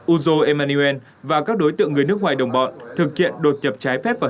uzo emmanuel và các đối tượng người nước ngoài đồng bọn thực hiện đột nhập trái phép vào